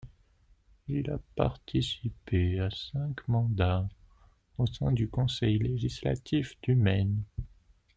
Il a participé à cinq mandats au sein du conseil législatif du Maine.